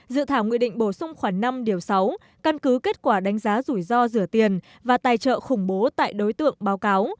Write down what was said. dự thảo nghị định bổ sung khoảng năm điều sáu căn cứ kết quả đánh giá rủi ro rửa tiền và tài trợ khủng bố tại đối tượng báo cáo